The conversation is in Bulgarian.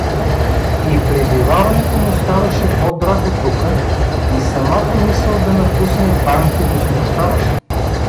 И пребиваването му ставаше по-драго тука и самата мисъл да напусне Банки го смущаваше.